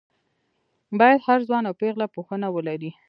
باید هر ځوان او پېغله پوهنه ولري